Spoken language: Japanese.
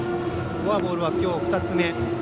フォアボールはきょう２つ目。